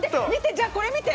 じゃあ、これ見て！